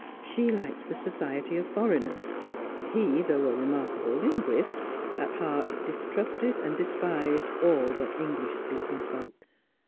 She liked the society of foreigners; he, though a remarkable linguist, at heart distrusted and despised all but English speaking folk.